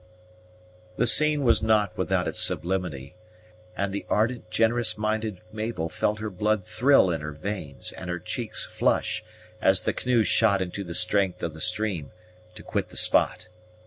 THE scene was not without its sublimity, and the ardent, generous minded Mabel felt her blood thrill in her veins and her cheeks flush, as the canoe shot into the strength of the stream, to quit the spot.